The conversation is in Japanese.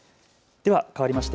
ではかわりまして＃